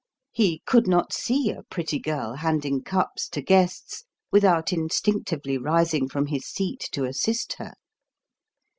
He could not see a pretty girl handing cups to guests without instinctively rising from his seat to assist her.